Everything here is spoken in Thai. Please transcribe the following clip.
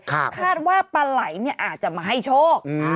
คาดว่าปลาไหล่เนี่ยอาจจะมาให้โชค